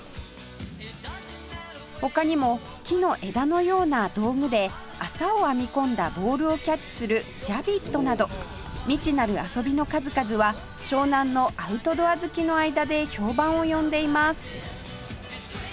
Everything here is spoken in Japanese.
他にも木の枝のような道具で麻を編み込んだボールをキャッチするジャビットなど未知なる遊びの数々は湘南のアウトドア好きの間で評判を呼んでいます